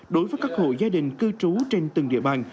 đối với các hộ gia đình cư trú trên từng địa bàn